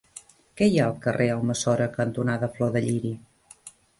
Què hi ha al carrer Almassora cantonada Flor de Lliri?